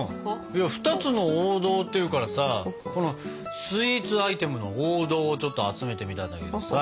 「２つの王道」っていうからさこのスイーツアイテムの王道をちょっと集めてみたんだけどさ。